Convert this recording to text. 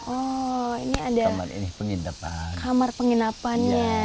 oh ini ada kamar penginapannya